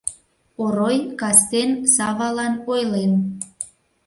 Орой кастен Савалан ойлен: